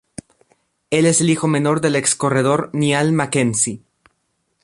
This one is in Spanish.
Él es el hijo menor del ex corredor Niall Mackenzie.